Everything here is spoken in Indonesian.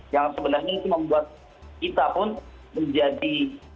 yang sebenarnya itu membuat kita pun menjadi